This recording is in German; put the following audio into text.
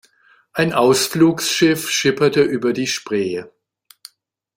Ein Ausflugsschiff schipperte über die Spree.